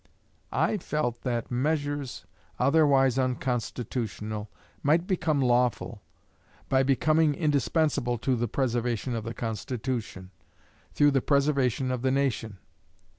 I felt that measures, otherwise unconstitutional, might become lawful, by becoming indispensable to the preservation of the Constitution, through the preservation of the nation.